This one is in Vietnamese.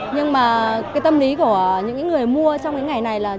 nhưng mà cái tâm lý của những người mua trong những ngày này là